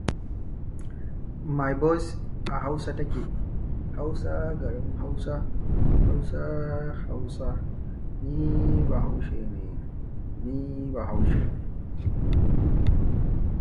After Spare's death, Grant began to focus more on his own writing career.